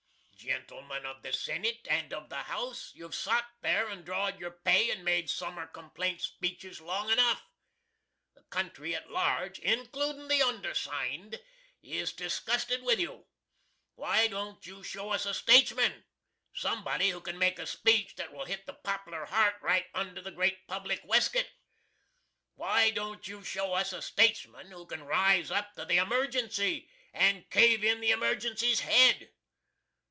Gentleman of the Senit & of the House, you've sot there and draw'd your pay and made summer complaint speeches long enuff. The country at large, incloodin' the undersined, is disgusted with you. Why don't you show us a statesman sumbody who can make a speech that will hit the pop'lar hart right under the great Public weskit? Why don't you show us a statesman who can rise up to the Emergency, and cave in the Emergency's head?